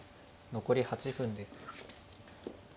残り８分です。